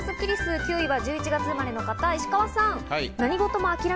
９位は１１月生まれの方、石川さん。